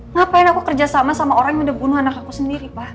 ngapain aku kerjasama sama orang yang udah bunuh anak aku sendiri pak